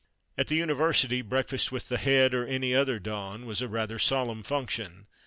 At the University, breakfast with "the Head" or any other "Don" was a rather solemn function.